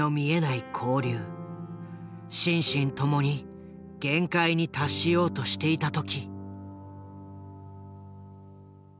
心身ともに限界に達しようとしていた時。